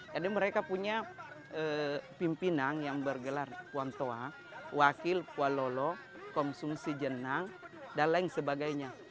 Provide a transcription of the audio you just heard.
jadi mereka punya pimpinan yang bergelar puantoa wakil pualolo konsumsi jenang dan lain sebagainya